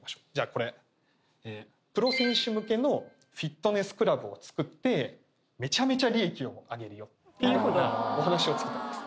これ「プロ選手向けのフィットネスクラブを作ってめちゃめちゃ利益を上げるよ」っていうふうなお話を作ってあげます